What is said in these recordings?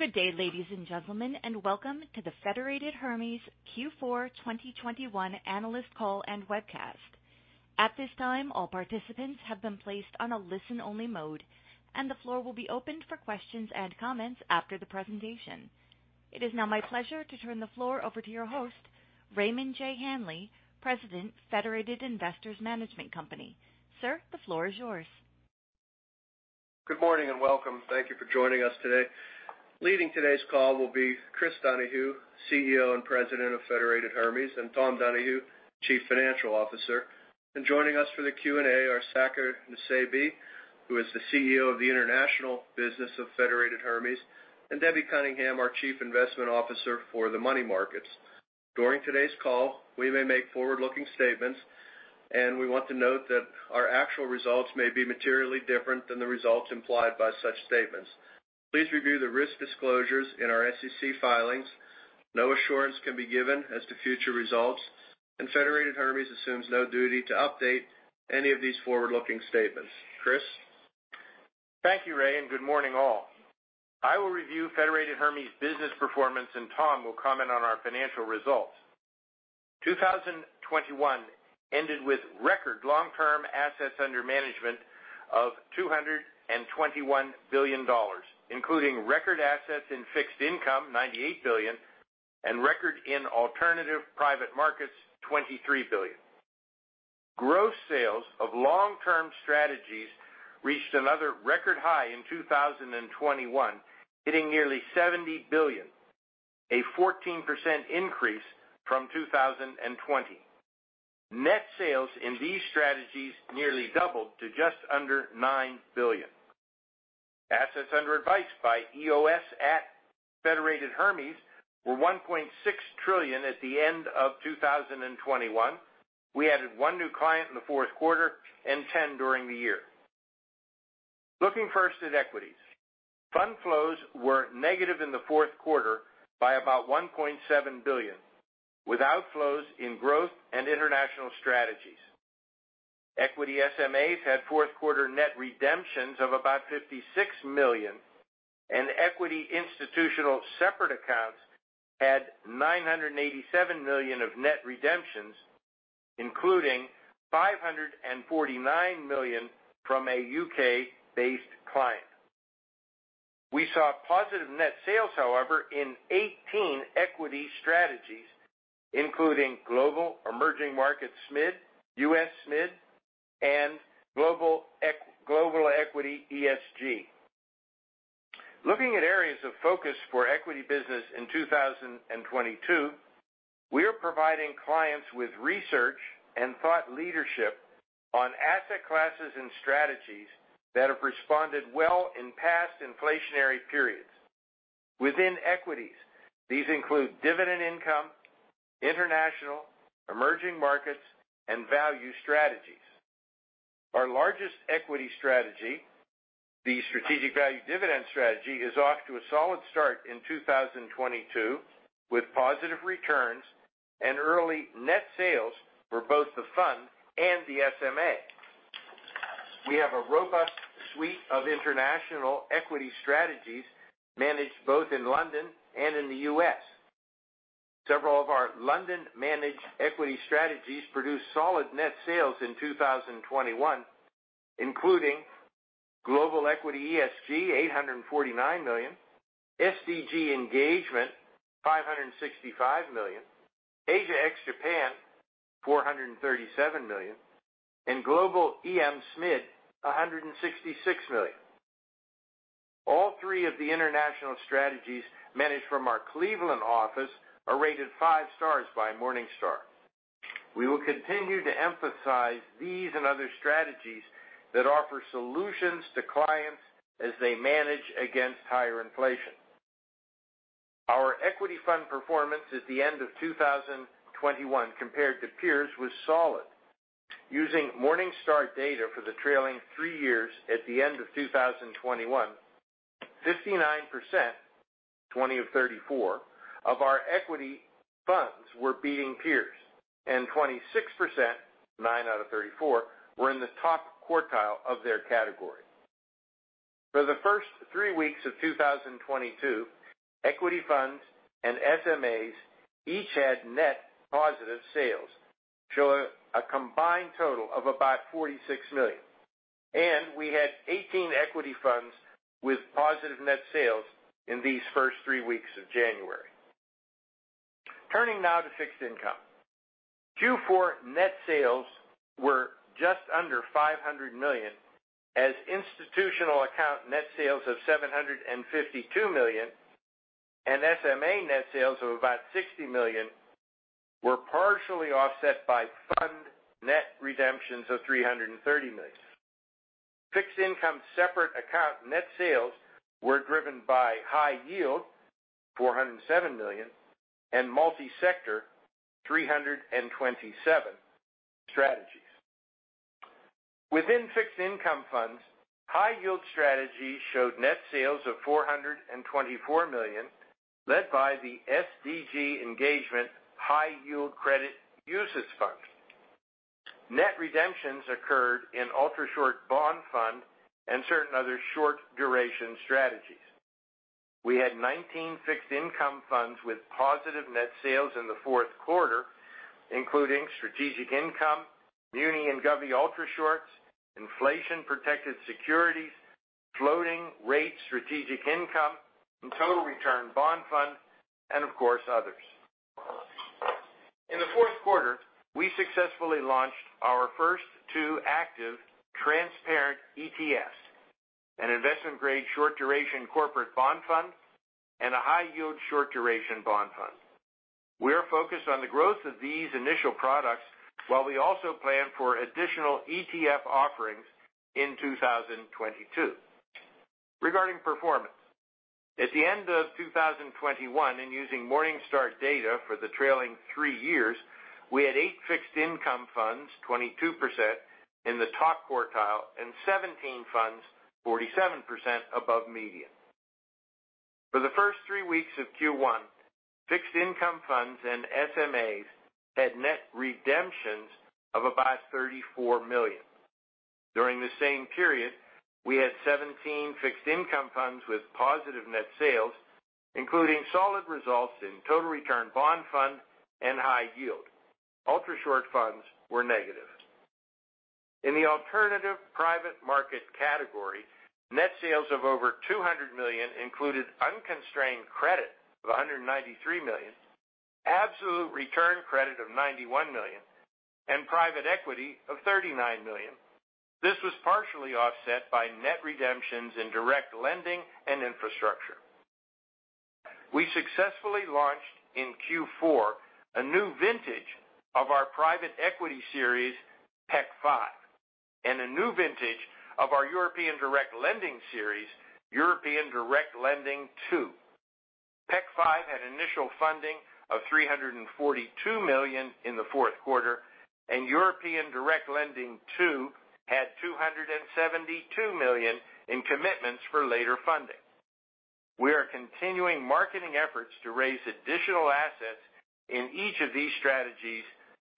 Good day, ladies and gentlemen, and welcome to the Federated Hermes Q4 2021 Analyst Call and Webcast. At this time, all participants have been placed on a listen-only mode, and the floor will be opened for questions and comments after the presentation. It is now my pleasure to turn the floor over to your host, Raymond J. Hanley, President, Federated Investors Management Company. Sir, the floor is yours. Good morning and welcome. Thank you for joining us today. Leading today's call will be Chris Donahue, CEO and President of Federated Hermes, and Tom Donahue, Chief Financial Officer. Joining us for the Q&A are Saker Nusseibeh, who is the CEO of the international business of Federated Hermes, and Debbie Cunningham, our Chief Investment Officer for the money markets. During today's call, we may make forward-looking statements, and we want to note that our actual results may be materially different than the results implied by such statements. Please review the risk disclosures in our SEC filings. No assurance can be given as to future results, and Federated Hermes assumes no duty to update any of these forward-looking statements. Chris. Thank you, Ray, and good morning, all. I will review Federated Hermes business performance, and Tom will comment on our financial results. 2021 ended with record long-term assets under management of $221 billion, including record assets in fixed income, $98 billion, and record in alternative private markets, $23 billion. Gross sales of long-term strategies reached another record high in 2021, hitting nearly $70 billion, a 14% increase from 2020. Net sales in these strategies nearly doubled to just under $9 billion. Assets under advice by EOS at Federated Hermes were $1.6 trillion at the end of 2021. We added one new client in the fourth quarter and 10 during the year. Looking first at equities. Fund flows were negative in the fourth quarter by about $1.7 billion, with outflows in growth and international strategies. Equity SMAs had fourth quarter net redemptions of about $56 million, and equity institutional separate accounts had $987 million of net redemptions, including $549 million from a U.K.-based client. We saw positive net sales, however, in 18 equity strategies, including Global Emerging Markets SMid, U.S. SMid, and Global Equity ESG. Looking at areas of focus for equity business in 2022, we are providing clients with research and thought leadership on asset classes and strategies that have responded well in past inflationary periods. Within equities, these include dividend income, international, emerging markets, and value strategies. Our largest equity strategy, the Strategic Value Dividend strategy, is off to a solid start in 2022, with positive returns and early net sales for both the fund and the SMA. We have a robust suite of international equity strategies managed both in London and in the U.S. Several of our London-managed equity strategies produced solid net sales in 2021, including Global Equity ESG, $849 million, SDG Engagement, $565 million, Asia ex Japan, $437 million, and Global EM SMid, $166 million. All three of the international strategies managed from our Cleveland office are rated five stars by Morningstar. We will continue to emphasize these and other strategies that offer solutions to clients as they manage against higher inflation. Our equity fund performance at the end of 2021 compared to peers was solid. Using Morningstar data for the trailing three years at the end of 2021, 59%, 20 of 34, of our equity funds were beating peers, and 26%, nine of 34, were in the top quartile of their category. For the first three weeks of 2022, equity funds and SMAs each had net positive sales, showing a combined total of about $46 million. We had 18 equity funds with positive net sales in these first three weeks of January. Turning now to fixed income. Q4 net sales were just under $500 million as institutional account net sales of $752 million and SMA net sales of about $60 million were partially offset by fund net redemptions of $330 million. Fixed income separate account net sales were driven by high yield, $407 million, and multi-sector, $327 million strategies. Within fixed income funds, high-yield strategies showed net sales of $424 million, led by the SDG Engagement High Yield Credit UCITS Fund. Net redemptions occurred in Ultrashort Bond Fund and certain other short duration strategies. We had 19 fixed income funds with positive net sales in the fourth quarter, including Strategic Income, Muni and Government Ultrashorts, Inflation Protected Securities, Floating Rate Strategic Income, and Total Return Bond Fund, and of course, others. In the fourth quarter, we successfully launched our first two active transparent ETFs, an investment-grade short duration corporate bond fund, and a high-yield short duration bond fund. We are focused on the growth of these initial products while we also plan for additional ETF offerings in 2022. Regarding performance, at the end of 2021, and using Morningstar data for the trailing three years, we had eight fixed income funds, 22% in the top quartile, and 17 funds, 47% above median. For the first three weeks of Q1, fixed income funds and SMAs had net redemptions of about $34 million. During the same period, we had 17 fixed income funds with positive net sales, including solid results in Total Return Bond Fund and High Yield. Ultrashort funds were negative. In the alternative private market category, net sales of over $200 million included unconstrained credit of $193 million, absolute return credit of $91 million, and private equity of $39 million. This was partially offset by net redemptions in direct lending and infrastructure. We successfully launched in Q4 a new vintage of our private equity series, PEC 5, and a new vintage of our European direct lending series, European Direct Lending II. PEC 5 had initial funding of $342 million in the fourth quarter, and European Direct Lending II had $272 million in commitments for later funding. We are continuing marketing efforts to raise additional assets in each of these strategies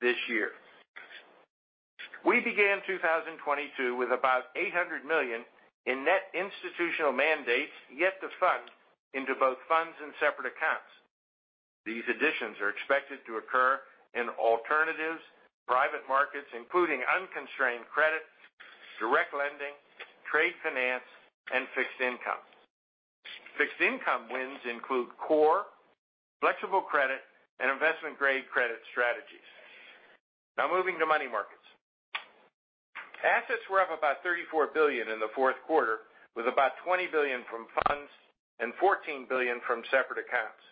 this year. We began 2022 with about $800 million in net institutional mandates yet to fund into both funds and separate accounts. These additions are expected to occur in alternatives, private markets, including unconstrained credit, direct lending, trade finance, and fixed income. Fixed income wins include core, flexible credit, and investment-grade credit strategies. Now moving to money markets. Assets were up about $34 billion in the fourth quarter, with about $20 billion from funds and $14 billion from separate accounts.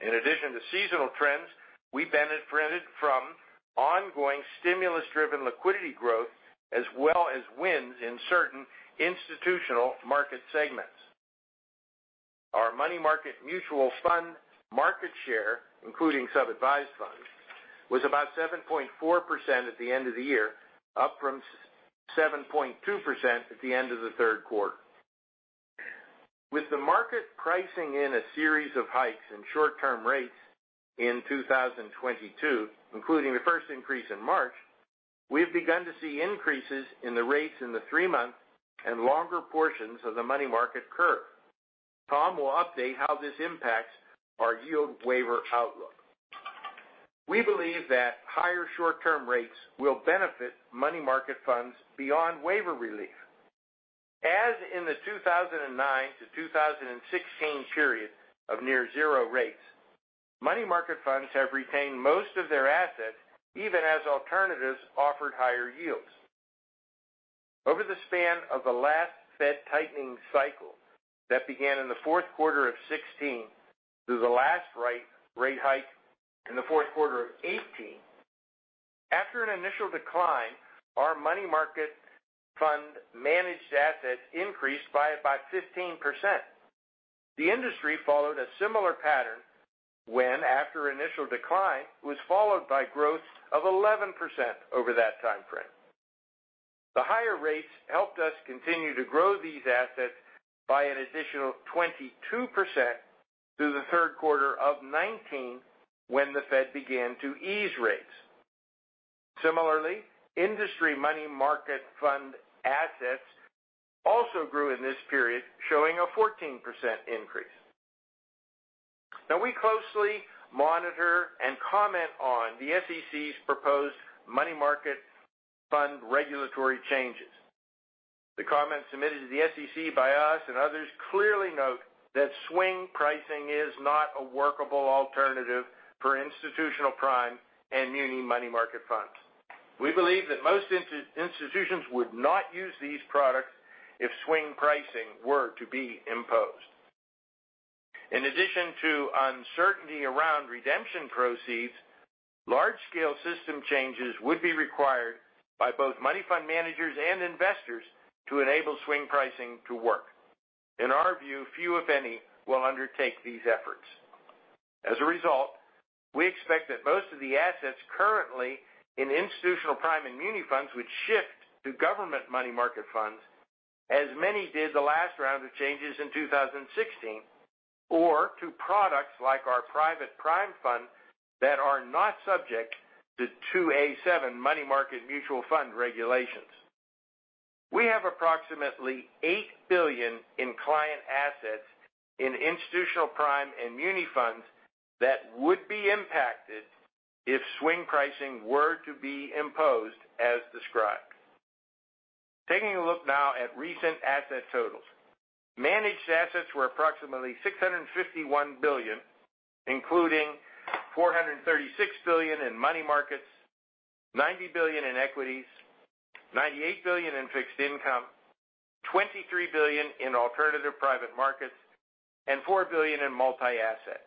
In addition to seasonal trends, we benefited from ongoing stimulus-driven liquidity growth as well as wins in certain institutional market segments. Our money market mutual fund market share, including sub-advised funds, was about 7.4% at the end of the year, up from 7.2% at the end of the third quarter. With the market pricing in a series of hikes in short-term rates in 2022, including the first increase in March, we've begun to see increases in the rates in the three-month and longer portions of the money market curve. Tom will update how this impacts our yield waiver outlook. We believe that higher short-term rates will benefit money market funds beyond waiver relief. As in the 2009-2016 period of near zero rates, money market funds have retained most of their assets even as alternatives offered higher yields. Over the span of the last Fed tightening cycle that began in the fourth quarter of 2016 through the last rate hike in the fourth quarter of 2018, after an initial decline, our money market fund managed assets increased by about 15%. The industry followed a similar pattern where an after an initial decline, it was followed by growth of 11% over that time frame. The higher rates helped us continue to grow these assets by an additional 22% through the third quarter of 2019 when the Fed began to ease rates. Similarly, industry money market fund assets also grew in this period, showing a 14% increase. Now we closely monitor and comment on the SEC's proposed money market fund regulatory changes. The comments submitted to the SEC by us and others clearly note that swing pricing is not a workable alternative for Institutional Prime and Muni Money Market funds. We believe that most institutions would not use these products if swing pricing were to be imposed. In addition to uncertainty around redemption proceeds, large-scale system changes would be required by both money fund managers and investors to enable swing pricing to work. In our view, few, if any, will undertake these efforts. As a result, we expect that most of the assets currently in institutional prime and muni funds would shift to government money market funds, as many did the last round of changes in 2016. Or to products like our private prime fund that are not subject to 2a-7 money market mutual fund regulations. We have approximately $8 billion in client assets in institutional prime and muni funds that would be impacted if swing pricing were to be imposed as described. Taking a look now at recent asset totals. Managed assets were approximately $651 billion, including $436 billion in money markets, $90 billion in equities, $98 billion in fixed income, $23 billion in alternative private markets, and $4 billion in multi-asset.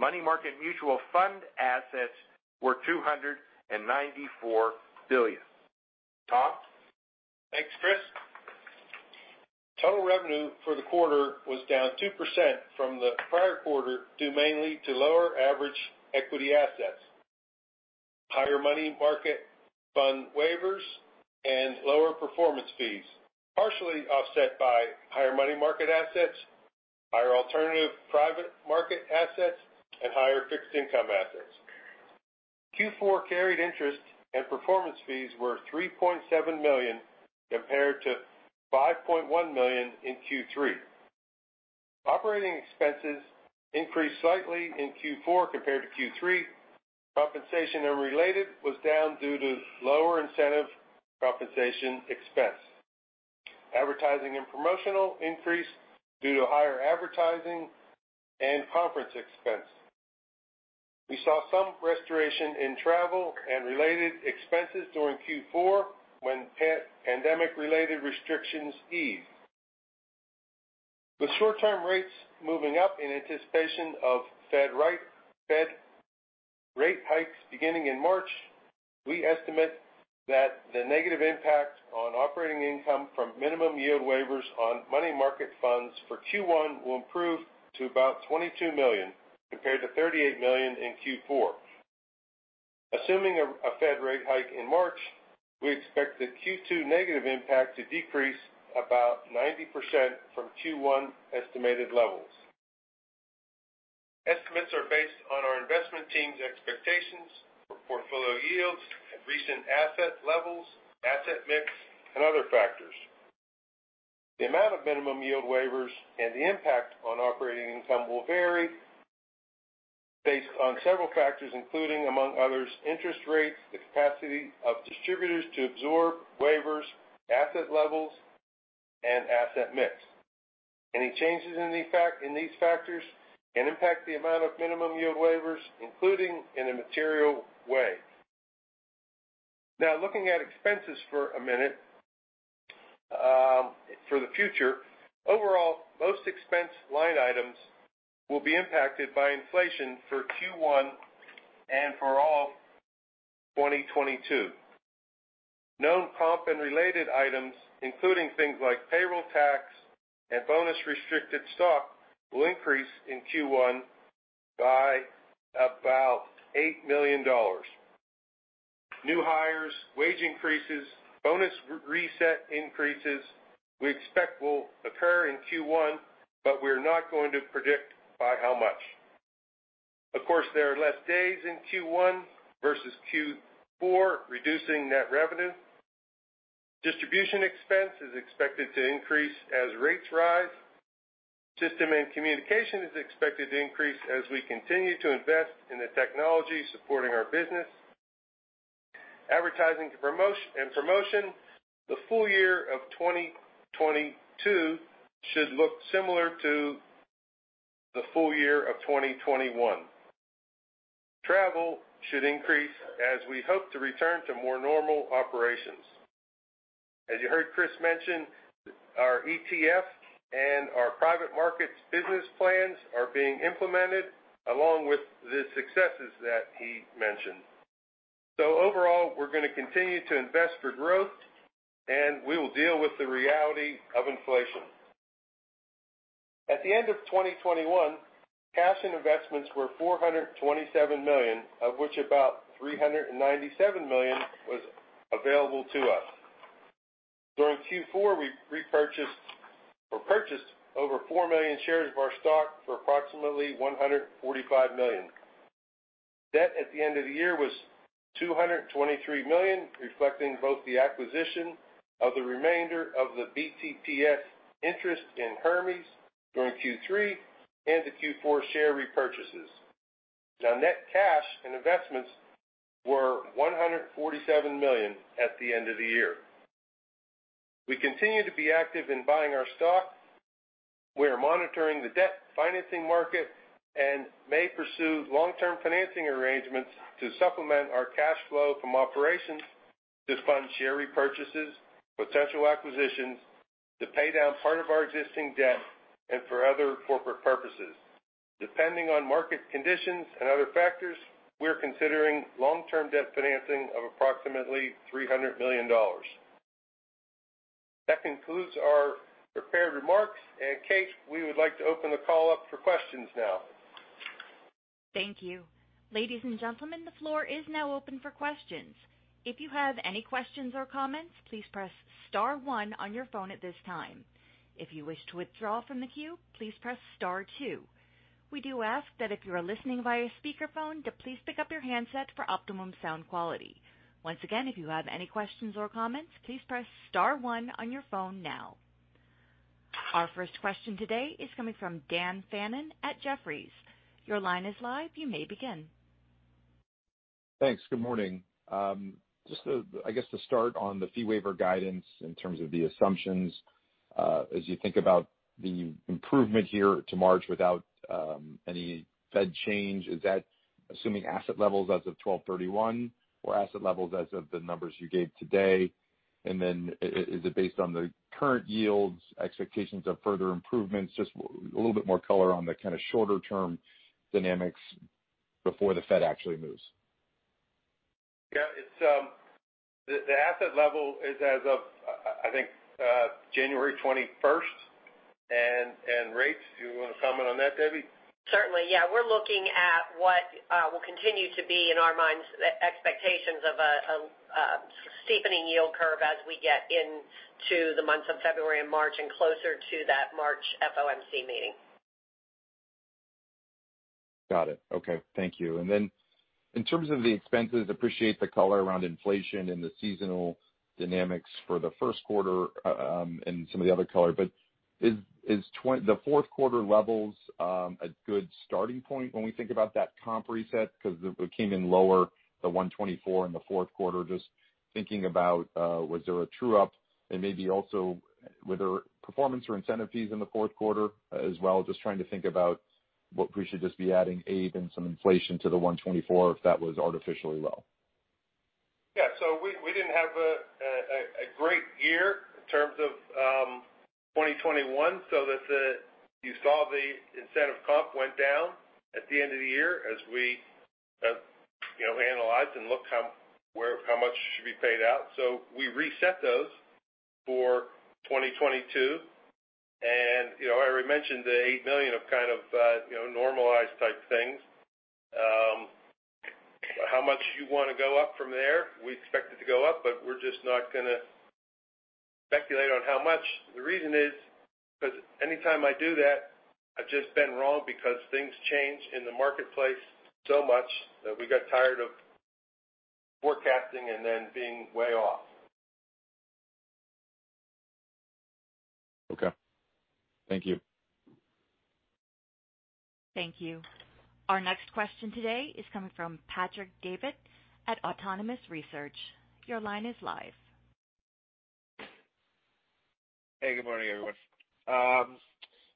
Money market mutual fund assets were $294 billion. Tom? Thanks, Chris. Total revenue for the quarter was down 2% from the prior quarter, due mainly to lower average equity assets, higher money market fund waivers, and lower performance fees, partially offset by higher money market assets, higher alternative private market assets, and higher fixed income assets. Q4 carried interest and performance fees were $3.7 million compared to $5.1 million in Q3. Operating expenses increased slightly in Q4 compared to Q3. Compensation and related was down due to lower incentive compensation expense. Advertising and promotional increased due to higher advertising and conference expense. We saw some restoration in travel and related expenses during Q4 when post-pandemic related restrictions eased. With short-term rates moving up in anticipation of Fed rate hikes beginning in March, we estimate that the negative impact on operating income from minimum yield waivers on money market funds for Q1 will improve to about $22 million compared to $38 million in Q4. Assuming a Fed rate hike in March, we expect the Q2 negative impact to decrease about 90% from Q1 estimated levels. Estimates are based on our investment team's expectations for portfolio yields at recent asset levels, asset mix, and other factors. The amount of minimum yield waivers and the impact on operating income will vary based on several factors, including, among others, interest rates, the capacity of distributors to absorb waivers, asset levels, and asset mix. Any changes in these factors can impact the amount of minimum yield waivers, including in a material way. Now looking at expenses for a minute, for the future. Overall, most expense line items will be impacted by inflation for Q1 and for all of 2022. Known comp and related items, including things like payroll tax and bonus restricted stock will increase in Q1 by about $8 million. New hires, wage increases, bonus reset increases we expect will occur in Q1, but we're not going to predict by how much. Of course, there are less days in Q1 versus Q4, reducing net revenue. Distribution expense is expected to increase as rates rise. System and communication is expected to increase as we continue to invest in the technology supporting our business. Advertising and promotion, the full year of 2022 should look similar to the full year of 2021. Travel should increase as we hope to return to more normal operations. As you heard Chris mention, our ETF and our private markets business plans are being implemented along with the successes that he mentioned. Overall, we're gonna continue to invest for growth, and we will deal with the reality of inflation. At the end of 2021, cash and investments were $427 million, of which about $397 million was available to us. During Q4, we repurchased or purchased over 4 million shares of our stock for approximately $145 million. Debt at the end of the year was $223 million, reflecting both the acquisition of the remainder of the BTPS interest in Hermes during Q3 and the Q4 share repurchases. Now net cash and investments were $147 million at the end of the year. We continue to be active in buying our stock. We are monitoring the debt financing market and may pursue long-term financing arrangements to supplement our cash flow from operations to fund share repurchases, potential acquisitions, to pay down part of our existing debt, and for other corporate purposes. Depending on market conditions and other factors, we're considering long-term debt financing of approximately $300 million. That concludes our prepared remarks. Katie, we would like to open the call up for questions now. Thank you. Ladies and gentlemen, the floor is now open for questions. If you have any questions or comments, please press star one on your phone at this time. If you wish to withdraw from the queue, please press star two. We do ask that if you are listening via speakerphone to please pick up your handset for optimum sound quality. Once again, if you have any questions or comments, please press star one on your phone now. Our first question today is coming from Dan Fannon at Jefferies. Your line is live. You may begin. Thanks. Good morning. Just to start on the fee waiver guidance in terms of the assumptions, as you think about the improvement here to March without any Fed change, is that assuming asset levels as of 12/31 or asset levels as of the numbers you gave today? Is it based on the current yields, expectations of further improvements? Just a little bit more color on the kind of shorter-term dynamics before the Fed actually moves. Yeah, it's the asset level as of, I think, January 21st. Rates, do you want to comment on that, Debbie? Certainly, yeah. We're looking at what will continue to be in our minds, the expectations of a steepening yield curve as we get into the months of February and March and closer to that March FOMC meeting. Got it. Okay. Thank you. Then in terms of the expenses, appreciate the color around inflation and the seasonal dynamics for the first quarter, and some of the other color. Is the fourth quarter levels a good starting point when we think about that comp reset? 'Cause it came in lower, the 124 in the fourth quarter. Just thinking about, was there a true up and maybe also were there performance or incentive fees in the fourth quarter as well. Just trying to think about what we should just be adding [AIB] and some inflation to the 124 if that was artificially low. Yeah. We didn't have a great year in terms of 2021. You saw the incentive comp went down at the end of the year as we you know analyzed and looked how where how much should be paid out. We reset those for 2022. You know I already mentioned the $8 million of kind of you know normalized type things. How much you wanna go up from there? We expect it to go up, but we're just not gonna speculate on how much. The reason is because anytime I do that, I've just been wrong because things change in the marketplace so much that we got tired of forecasting and then being way off. Okay. Thank you. Thank you. Our next question today is coming from Patrick Davitt at Autonomous Research. Your line is live. Hey, good morning, everyone.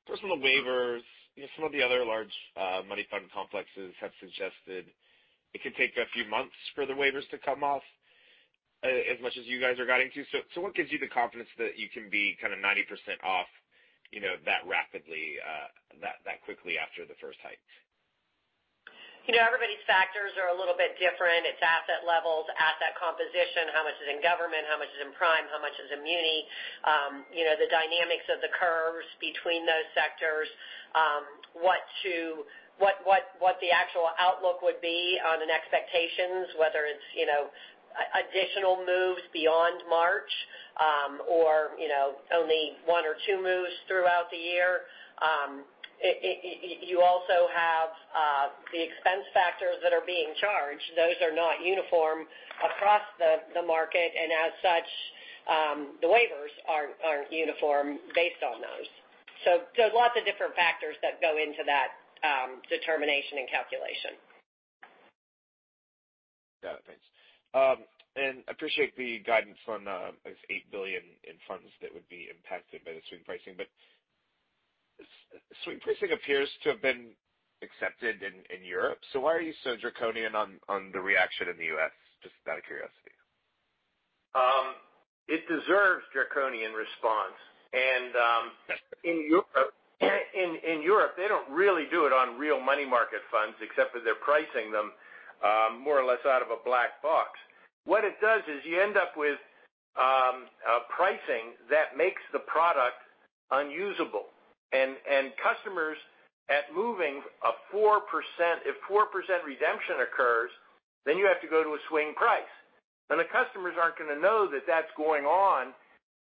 First on the waivers. You know, some of the other large money fund complexes have suggested it could take a few months for the waivers to come off, as much as you guys are guiding to. What gives you the confidence that you can be kind of 90% off, you know, that rapidly, that quickly after the first hike? You know, everybody's factors are a little bit different. It's asset levels, asset composition. How much is in government? How much is in prime? How much is in muni? You know, the dynamics of the curves between those sectors. What the actual outlook would be on expectations, whether it's, you know, additional moves beyond March, or, you know, only one or two moves throughout the year. You also have the expense factors that are being charged. Those are not uniform across the market, and as such, the waivers aren't uniform based on those. Lots of different factors that go into that determination and calculation. Got it. Thanks. Appreciate the guidance on, I guess, $8 billion in funds that would be impacted by the swing pricing. Swing pricing appears to have been accepted in Europe, so why are you so draconian on the reaction in the U.S.? Just out of curiosity. It deserves draconian response. In Europe, they don't really do it on real money market funds, except that they're pricing them more or less out of a black box. What it does is you end up with pricing that makes the product unusable. If 4% redemption occurs, then you have to go to a swing price. The customers aren't gonna know that that's going on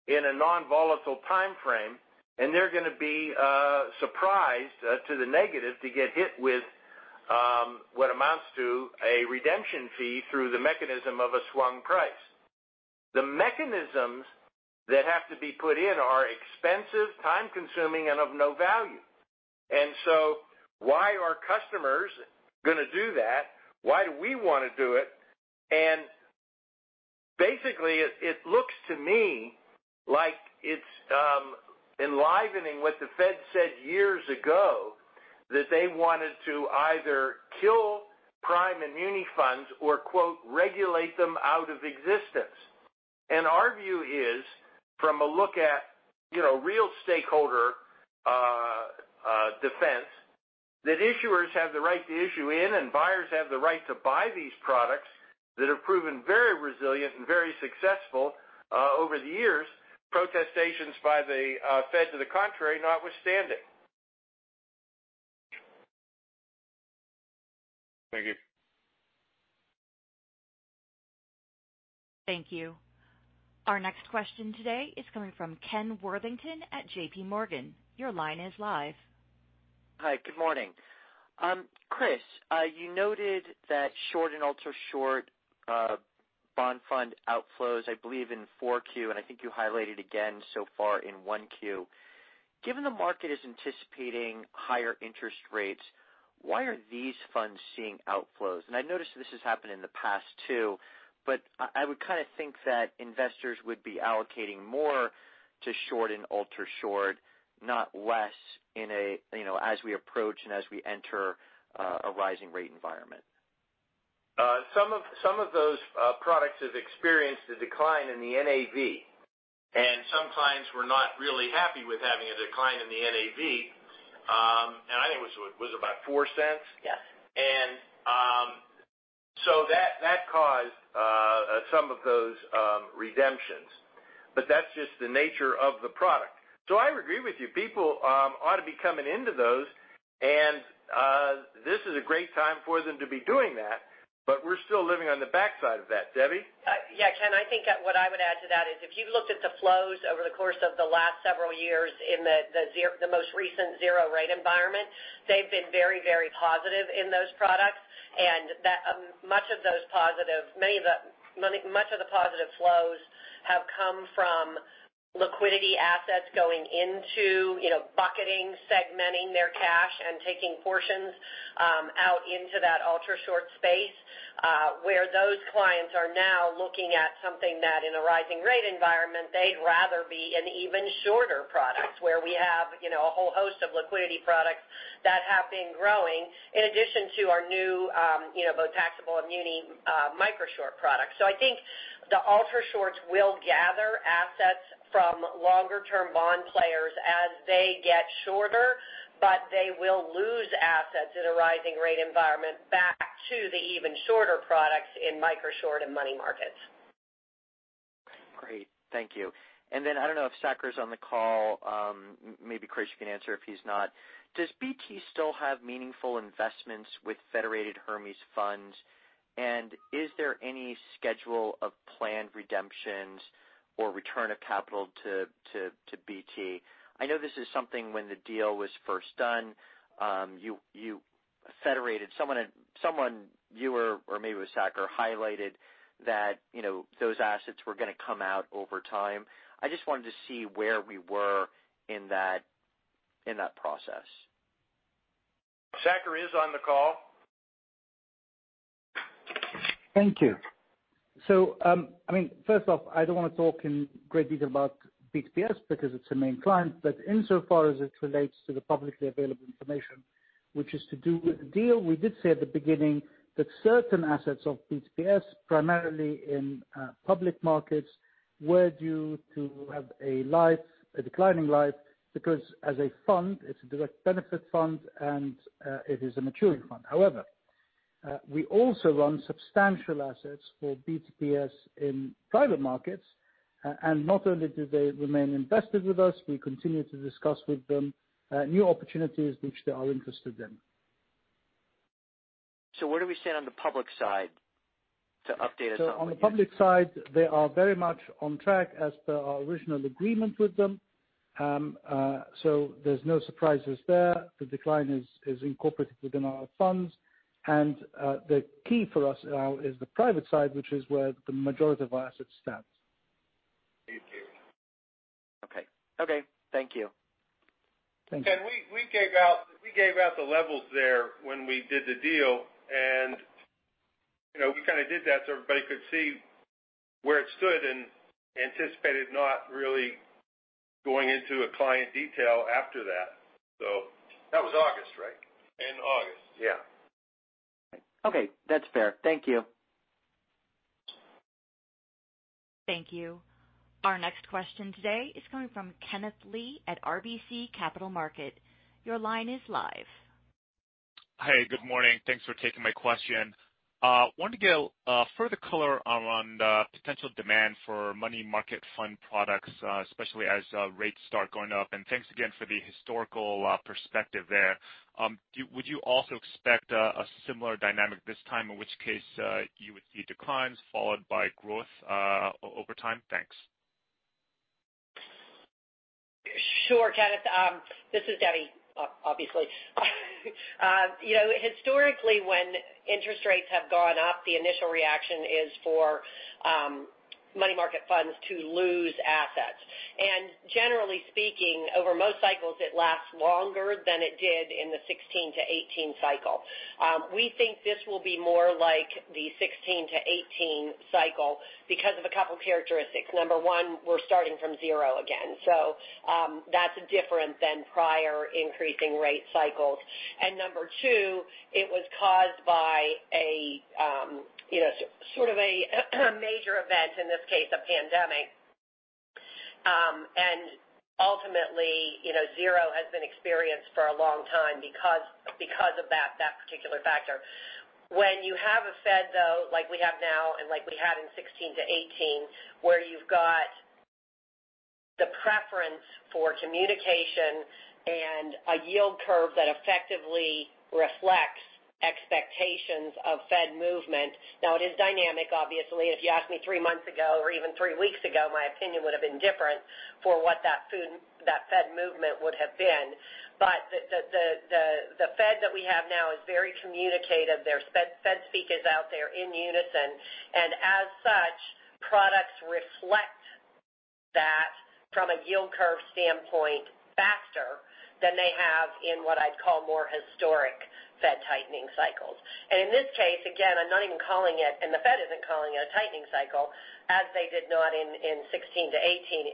in a non-volatile timeframe, and they're gonna be surprised to the negative to get hit with what amounts to a redemption fee through the mechanism of a swing price. The mechanisms that have to be put in are expensive, time-consuming, and of no value. Why are customers gonna do that? Why do we wanna do it? Basically it looks to me like it's enlivening what the Fed said years ago that they wanted to either kill prime and muni funds or, quote, "regulate them out of existence." Our view is from a look at, you know, real stakeholder defense, that issuers have the right to issue and buyers have the right to buy these products that have proven very resilient and very successful over the years. Protestations by the Fed to the contrary, notwithstanding. Thank you. Thank you. Our next question today is coming from Ken Worthington at JPMorgan. Your line is live. Hi, good morning. Chris, you noted that short and ultra-short bond fund outflows, I believe in Q4, and I think you highlighted again so far in Q1. Given the market is anticipating higher interest rates, why are these funds seeing outflows? I noticed this has happened in the past too, but I would kind of think that investors would be allocating more to short and ultra-short, not less in a, you know, as we approach and as we enter a rising rate environment. Some of those products have experienced a decline in the NAV, and some clients were not really happy with having a decline in the NAV. I think it was about $0.04. Yes. That caused some of those redemptions. That's just the nature of the product. I would agree with you, people ought to be coming into those, and this is a great time for them to be doing that, but we're still living on the backside of that. Debbie? Yeah, Ken, I think what I would add to that is if you looked at the flows over the course of the last several years in the most recent zero rate environment, they've been very, very positive in those products. That much of the positive flows have come from liquidity assets going into, you know, bucketing, segmenting their cash, and taking portions out into that ultra-short space where those clients are now looking at something that in a rising rate environment, they'd rather be in even shorter products where we have, you know, a whole host of liquidity products that have been growing in addition to our new both taxable and muni micro short products. I think the ultra shorts will gather assets from longer term bond players as they get shorter, but they will lose assets in a rising rate environment back to the even shorter products in micro short and money markets. Great. Thank you. Then I don't know if Saker's on the call. Maybe, Chris, you can answer if he's not. Does BT still have meaningful investments with Federated Hermes funds? And is there any schedule of planned redemptions or return of capital to BT? I know this is something when the deal was first done. Someone, you or maybe it was Saker, highlighted that, you know, those assets were gonna come out over time. I just wanted to see where we were in that process. Saker is on the call. Thank you. I mean, first off, I don't wanna talk in great detail about BTPS because it's a main client. Insofar as it relates to the publicly available information, which is to do with the deal, we did say at the beginning that certain assets of BTPS, primarily in public markets, were due to have a life, a declining life, because as a fund, it's a direct benefit fund and it is a maturing fund. However, we also run substantial assets for BTPS in private markets. And not only do they remain invested with us, we continue to discuss with them new opportunities which they are interested in. Where do we stand on the public side to update us on? On the public side, they are very much on track as per our original agreement with them. There's no surprises there. The decline is incorporated within our funds. The key for us now is the private side, which is where the majority of our assets stands. Thank you. Okay. Okay. Thank you. Thank you. Ken, we gave out the levels there when we did the deal, and, you know, we kind of did that so everybody could see where it stood and anticipated not really going into a client detail after that. That was August, right? In August. Yeah. Okay. That's fair. Thank you. Thank you. Our next question today is coming from Kenneth Lee at RBC Capital Markets. Your line is live. Hey, good morning. Thanks for taking my question. Wanted to get further color around potential demand for money market fund products, especially as rates start going up. Thanks again for the historical perspective there. Would you also expect a similar dynamic this time, in which case you would see declines followed by growth over time? Thanks. Sure, Kenneth. This is Debbie obviously. You know, historically, when interest rates have gone up, the initial reaction is for money market funds to lose assets. Generally speaking, over most cycles, it lasts longer than it did in the 2016-2018 cycle. We think this will be more like the 2016-2018 cycle because of a couple characteristics. Number one, we're starting from zero again. That's different than prior increasing rate cycles. Number two, it was caused by a you know, sort of a major event, in this case, a pandemic. Ultimately, you know, zero has been experienced for a long time because of that particular factor. When you have a Fed though, like we have now and like we had in 2016 to 2018, where you've got the preference for communication and a yield curve that effectively reflects expectations of Fed movement. Now it is dynamic, obviously. If you asked me three months ago or even three weeks ago, my opinion would have been different for what that Fed movement would have been. But the Fed that we have now is very communicative. Their Fed speak is out there in unison, and as such, products reflect that from a yield curve standpoint faster than they have in what I'd call more historic Fed tightening cycles. In this case, again, I'm not even calling it, and the Fed isn't calling it a tightening cycle, as they did not in 2016 to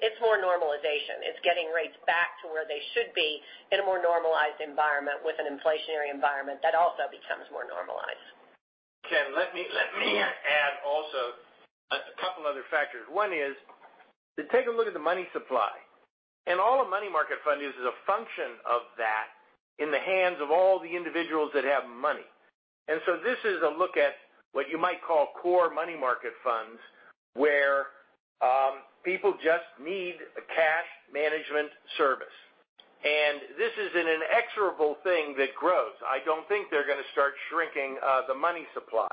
2018. It's more normalization. It's getting rates back to where they should be in a more normalized environment with an inflationary environment that also becomes more normalized. Ken, let me add also a couple other factors. One is to take a look at the money supply. All of money market fund is a function of that in the hands of all the individuals that have money. This is a look at what you might call core money market funds, where people just need a cash management service. This is an inexorable thing that grows. I don't think they're gonna start shrinking the money supply.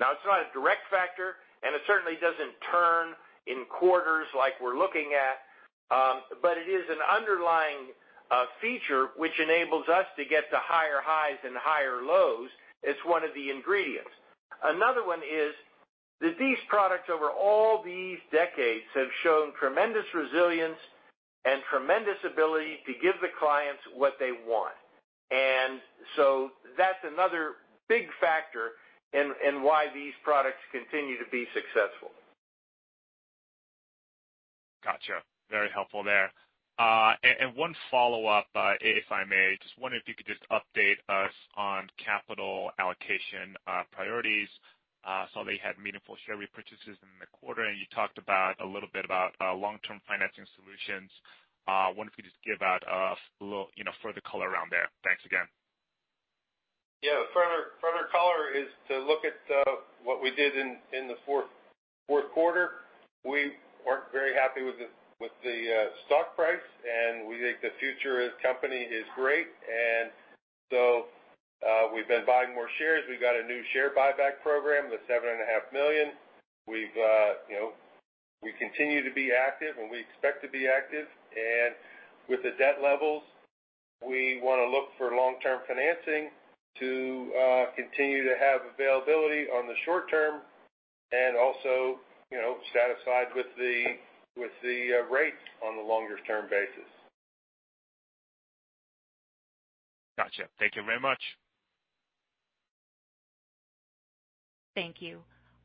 Now, it's not a direct factor, and it certainly doesn't turn in quarters like we're looking at. It is an underlying feature which enables us to get to higher highs and higher lows. It's one of the ingredients. Another one is that these products over all these decades have shown tremendous resilience and tremendous ability to give the clients what they want. That's another big factor in why these products continue to be successful. Gotcha. Very helpful there. And one follow-up, if I may. Just wondering if you could just update us on capital allocation priorities. Saw that you had meaningful share repurchases in the quarter, and you talked about a little bit about long-term financing solutions. Wonder if you just give out a little, you know, further color around there. Thanks again. Yeah. Further color is to look at what we did in the fourth quarter. We weren't very happy with the stock price, and we think the future as a company is great. We've been buying more shares. We've got a new share buyback program with 7.5 million. You know, we continue to be active, and we expect to be active. With the debt levels, we wanna look for long-term financing to continue to have availability on the short term and also, you know, satisfied with the rates on the longer-term basis. Gotcha. Thank you very much. Thank you.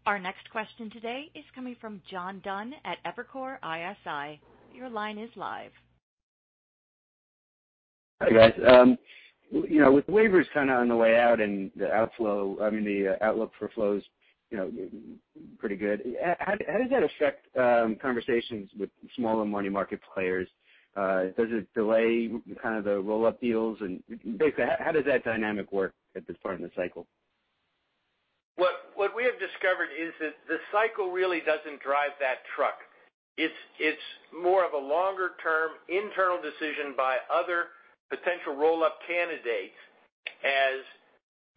Our next question today is coming from John Dunn at Evercore ISI. Your line is live. Hi, guys. You know, with waivers kind of on the way out and the outflow, I mean, the outlook for flows, you know, pretty good. How does that affect conversations with smaller money market players? Does it delay kind of the roll-up deals? Basically, how does that dynamic work at this part in the cycle? What we have discovered is that the cycle really doesn't drive that truck. It's more of a longer-term internal decision by other potential roll-up candidates as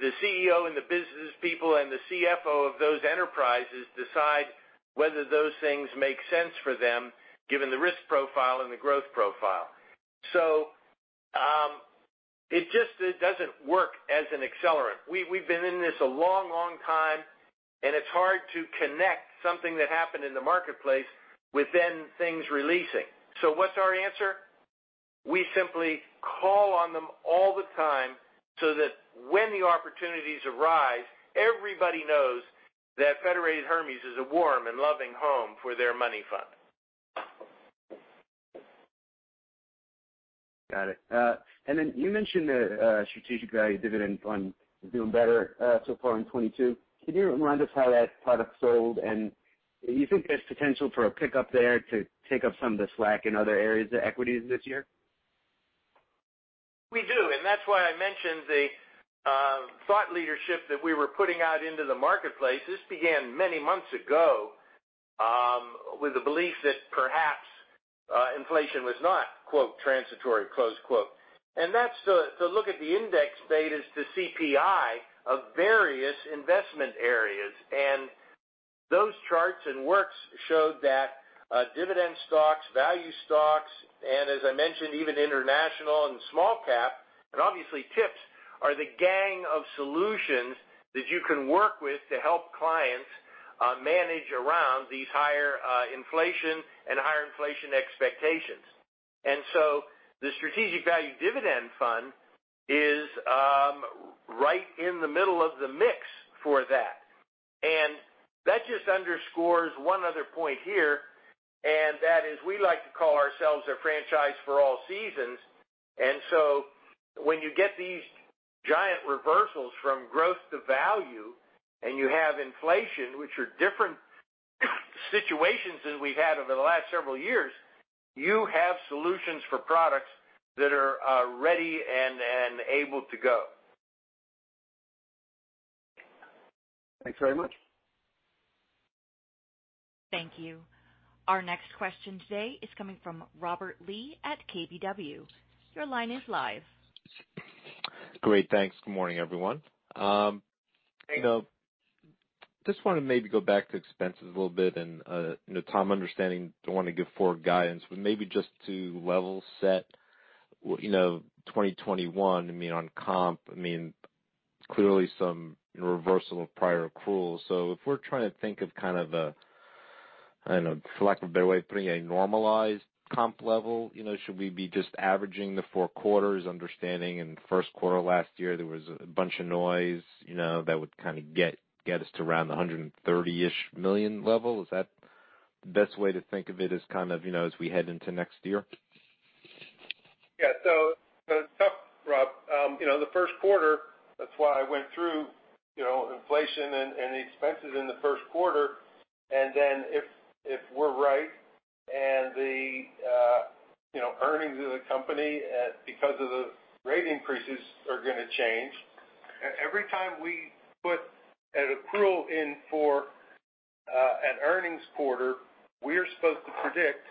the CEO and the business people and the CFO of those enterprises decide whether those things make sense for them, given the risk profile and the growth profile. It just, it doesn't work as an accelerant. We've been in this a long, long time, and it's hard to connect something that happened in the marketplace within things releasing. What's our answer? We simply call on them all the time so that when the opportunities arise, everybody knows that Federated Hermes is a warm and loving home for their money fund. Got it. Then you mentioned the Strategic Value Dividend fund is doing better so far in 2022. Can you remind us how that product sold? You think there's potential for a pickup there to take up some of the slack in other areas of equities this year? We do. That's why I mentioned the thought leadership that we were putting out into the marketplace. This began many months ago with the belief that perhaps inflation was not, quote, transitory, close quote. That's to look at the index betas to CPI of various investment areas. Those charts and works showed that dividend stocks, value stocks, and as I mentioned, even international and small cap, and obviously TIPS are the range of solutions that you can work with to help clients manage around these higher inflation and higher inflation expectations. The Strategic Value Dividend Fund is right in the middle of the mix for that. That just underscores one other point here, and that is we like to call ourselves a franchise for all seasons. When you get these giant reversals from growth to value and you have inflation, which are different situations than we've had over the last several years, you have solutions for products that are ready and able to go. Thanks very much. Thank you. Our next question today is coming from Robert Lee at KBW. Your line is live. Great. Thanks. Good morning, everyone. You know, just wanna maybe go back to expenses a little bit and, you know, Tom, I understand you don't wanna give forward guidance, but maybe just to level set, you know, 2021, I mean, on comp. I mean, clearly some reversal of prior accrual. So if we're trying to think of kind of a, I don't know, select a better way of putting a normalized comp level, you know, should we be just averaging the four quarters, understanding in the first quarter last year there was a bunch of noise, you know, that would kinda get us to around the $130-ish million level? Is that the best way to think of it as kind of, you know, as we head into next year? Yeah. It's tough, Rob. You know, the first quarter, that's why I went through, you know, inflation and the expenses in the first quarter. If we're right and the, you know, earnings of the company that because of the rate increases are gonna change. Every time we put an accrual in for an earnings quarter, we're supposed to predict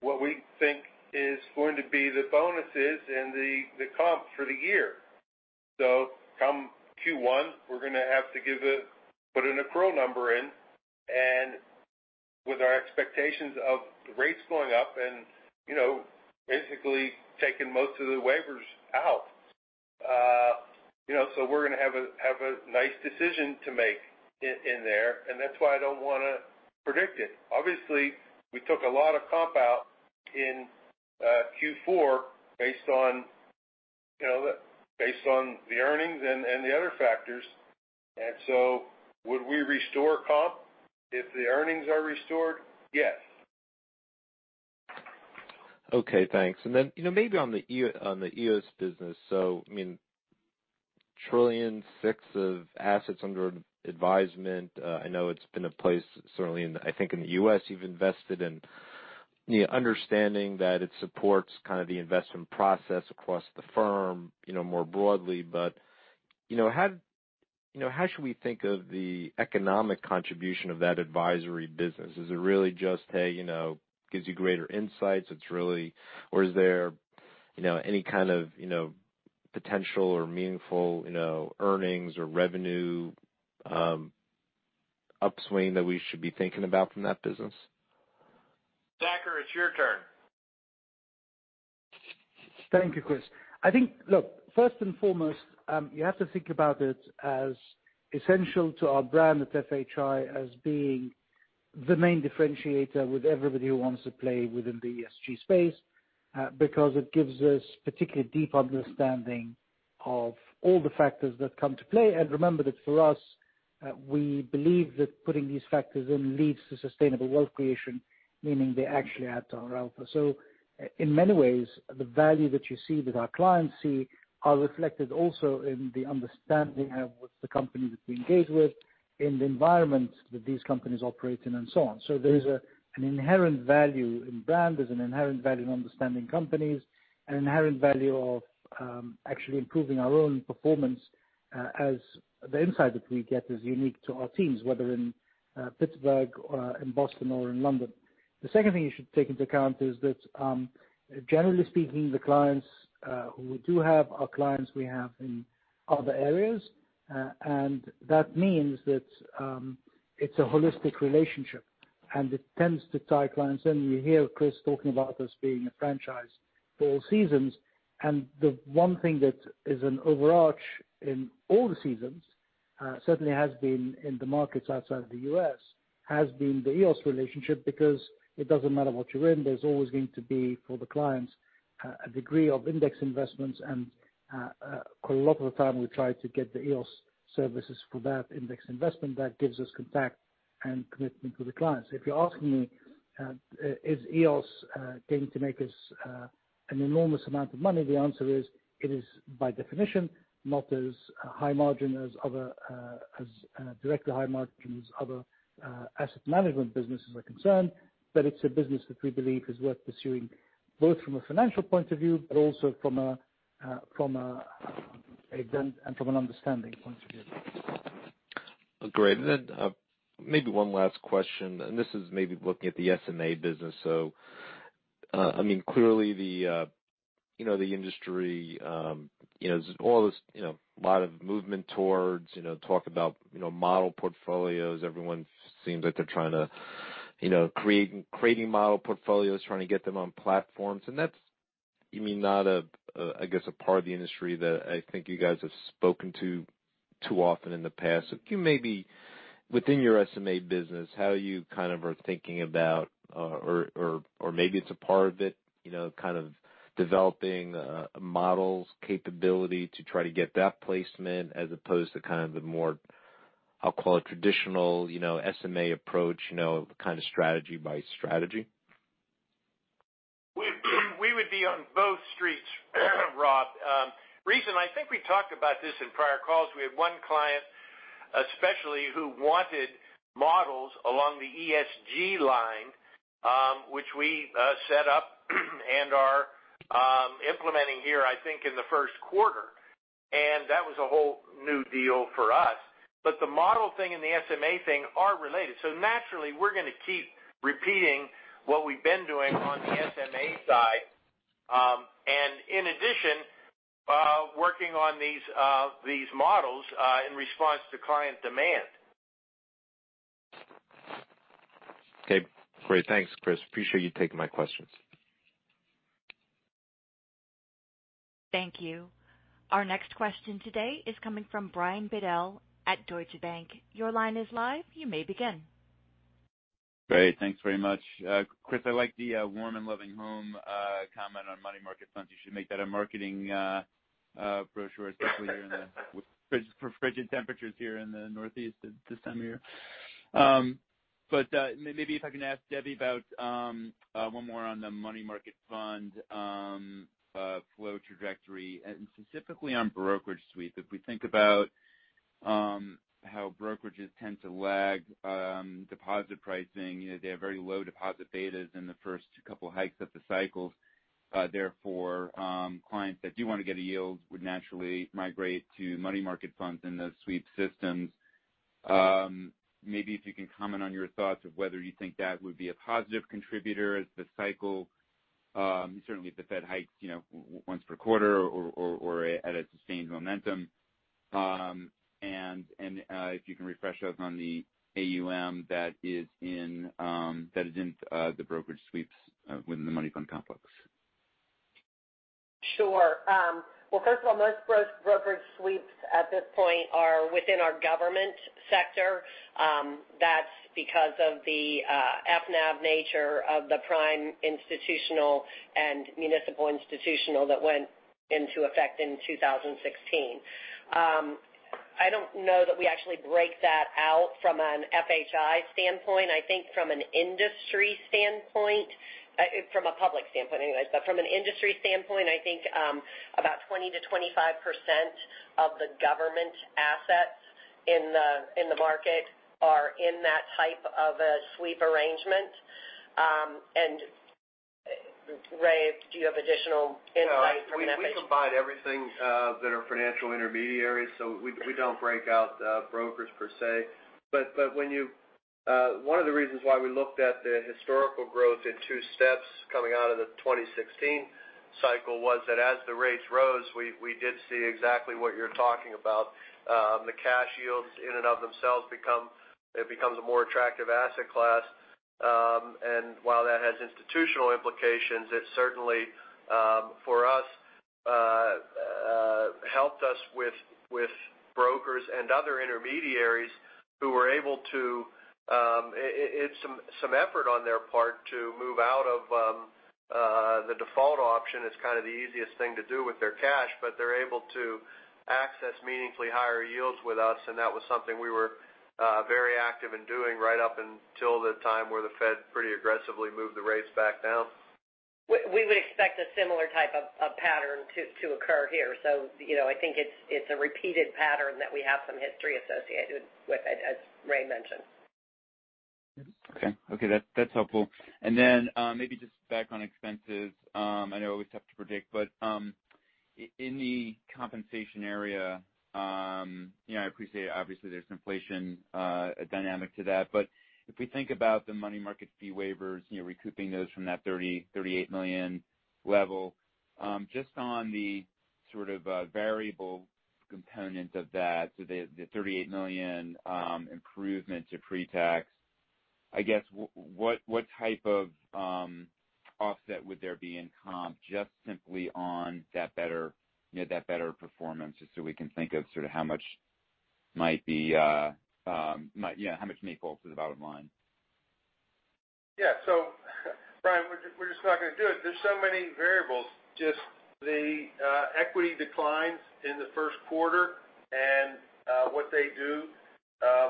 what we think is going to be the bonuses and the comps for the year. Come Q1, we're gonna have to put an accrual number in. With our expectations of rates going up and, you know, basically taking most of the waivers out, you know, we're gonna have a nice decision to make in there, and that's why I don't wanna predict it. Obviously, we took a lot of comp out in Q4 based on, you know, based on the earnings and the other factors. Would we restore comp if the earnings are restored? Yes. Okay, thanks. Then, you know, maybe on the EOS business. I mean, trillion of assets under advisement. I know it's been in place certainly in the—I think in the U.S. you've invested with the understanding that it supports kind of the investment process across the firm, you know, more broadly. You know, how should we think of the economic contribution of that advisory business? Is it really just, hey, you know, gives you greater insights, it's really? Is there, you know, any kind of, you know, potential or meaningful, you know, earnings or revenue upswing that we should be thinking about from that business? Saker, it's your turn. Thank you, Chris. Look, first and foremost, you have to think about it as essential to our brand at FHI as being the main differentiator with everybody who wants to play within the ESG space, because it gives us particularly deep understanding of all the factors that come to play. Remember that for us, we believe that putting these factors in leads to sustainable wealth creation, meaning they actually add to our alpha. In many ways, the value that you see, that our clients see are reflected also in the understanding of what the company that we engage with in the environment that these companies operate in and so on. There is an inherent value in brand, there's an inherent value in understanding companies, an inherent value of actually improving our own performance, as the insight that we get is unique to our teams, whether in Pittsburgh or in Boston or in London. The second thing you should take into account is that, generally speaking, the clients who we do have are clients we have in other areas. And that means that it's a holistic relationship, and it tends to tie clients in. You hear Chris talking about us being a franchise for all seasons, and the one thing that is an overarching in all the seasons, certainly has been in the markets outside of the U.S., has been the EOS relationship, because it doesn't matter what you're in, there's always going to be, for the clients, a degree of index investments. Quite a lot of the time, we try to get the EOS services for that index investment. That gives us contact and commitment to the clients. If you're asking me, is EOS going to make us an enormous amount of money, the answer is it is by definition, not as high margin as other, as directly high margin as other asset management businesses are concerned. It's a business that we believe is worth pursuing, both from a financial point of view, but also from an understanding point of view. Great. Maybe one last question, and this is maybe looking at the SMA business. I mean, clearly the you know, the industry, you know, all this, you know, lot of movement towards, you know, talk about, you know, model portfolios. Everyone seems like they're trying to, you know, create model portfolios, trying to get them on platforms. That's you mean, not a, I guess, a part of the industry that I think you guys have spoken to too often in the past. Can you maybe, within your SMA business, how you kind of are thinking about, or maybe it's a part of it, you know, kind of developing a models capability to try to get that placement as opposed to kind of a more, I'll call it traditional, you know, SMA approach, you know, kind of strategy by strategy? We would be on both streets, Rob. I think we talked about this in prior calls. We had one client, especially who wanted models along the ESG line, which we set up and are implementing here, I think, in the first quarter. That was a whole new deal for us. The model thing and the SMA thing are related. Naturally, we're gonna keep repeating what we've been doing on the SMA side. In addition, working on these models in response to client demand. Okay, great. Thanks, Chris. Appreciate you taking my questions. Thank you. Our next question today is coming from Brian Bedell at Deutsche Bank. Your line is live. You may begin. Great. Thanks very much. Chris, I like the warm and loving home comment on money market funds. You should make that a marketing brochure, especially here in the frigid temperatures here in the Northeast this time of year. Maybe if I can ask Debbie about one more on the money market fund flow trajectory and specifically on brokerage sweep. If we think about how brokerages tend to lag deposit pricing, they have very low deposit betas in the first couple hikes of the cycles. Therefore, clients that do want to get a yield would naturally migrate to money market funds in those sweep systems. Maybe if you can comment on your thoughts of whether you think that would be a positive contributor as the cycle, certainly if the Fed hikes, you know, once per quarter or at a sustained momentum. If you can refresh us on the AUM that is in the brokerage sweeps within the money fund complex. Sure. Well, first of all, most brokerage sweeps at this point are within our government sector. That's because of the FNAV nature of the prime institutional and municipal institutional that went into effect in 2016. I don't know that we actually break that out from an FHI standpoint. I think from an industry standpoint, from a public standpoint anyways, but from an industry standpoint, I think about 20%-25% of the government assets in the market are in that type of a sweep arrangement. Ray, do you have additional insight from an FHI- We combine everything that are financial intermediaries. We don't break out brokers per se. One of the reasons why we looked at the historical growth in two steps coming out of the 2016 cycle was that as the rates rose, we did see exactly what you're talking about. The cash yields in and of themselves become it becomes a more attractive asset class. While that has institutional implications, it certainly for us helped us with brokers and other intermediaries who were able to it's some effort on their part to move out of the default option. It's kind of the easiest thing to do with their cash, but they're able to access meaningfully higher yields with us, and that was something we were very active in doing right up until the time where the Fed pretty aggressively moved the rates back down. We would expect a similar type of pattern to occur here. You know, I think it's a repeated pattern that we have some history associated with, as Ray mentioned. That's helpful. Maybe just back on expenses. I know it's tough to predict in the compensation area. You know, I appreciate obviously there's inflationary dynamic to that. If we think about the money market fee waivers, you know, recouping those from that $38 million level. Just on the sort of variable component of that. The $38 million improvement to pre-tax. I guess what type of offset would there be in comp just simply on that better, you know, that better performance, just so we can think of sort of how much might be, how much may fall to the bottom line? Yeah. Brian, we're just not gonna do it. There's so many variables. Just the equity declines in the first quarter and what they do,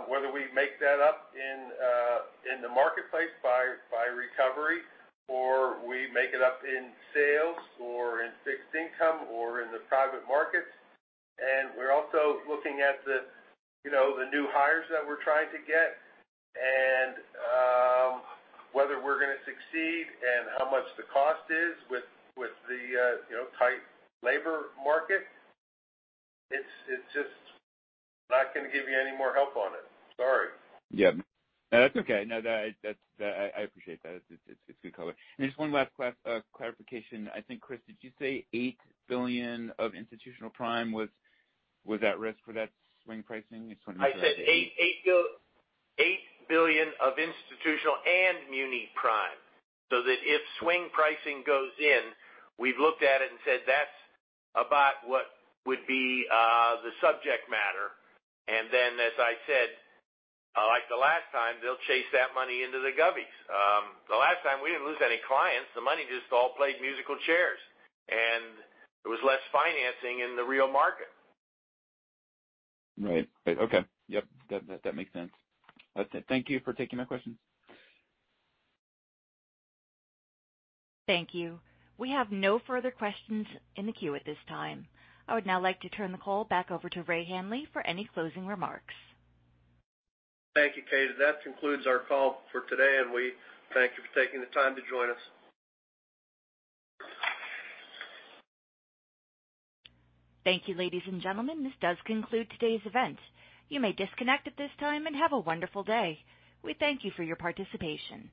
whether we make that up in the marketplace by recovery or we make it up in sales or in fixed income or in the private markets. We're also looking at the you know the new hires that we're trying to get and whether we're gonna succeed and how much the cost is with the you know tight labor market. It's just not gonna give you any more help on it. Sorry. Yeah. No, that's okay. I appreciate that. It's good color. Just one last clarification. I think, Chris, did you say $8 billion of institutional prime was at risk for that swing pricing? Just want to make sure I- I said $8 billion of institutional and muni prime, so that if swing pricing goes in, we've looked at it and said that's about what would be the subject matter. Then as I said, like the last time, they'll chase that money into the govies. The last time we didn't lose any clients. The money just all played musical chairs. There was less financing in the real market. Right. Okay. Yep. That makes sense. That's it. Thank you for taking my questions. Thank you. We have no further questions in the queue at this time. I would now like to turn the call back over to Raymond Hanley for any closing remarks. Thank you, Katie. That concludes our call for today, and we thank you for taking the time to join us. Thank you, ladies and gentlemen, this does conclude today's event. You may disconnect at this time and have a wonderful day. We thank you for your participation.